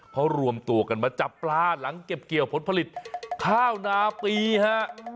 เขารวมตัวกันมาจับปลาหลังเก็บเกี่ยวผลผลิตข้าวนาปีฮะ